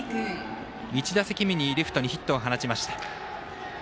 １打席目にレフトにヒットを放ちました。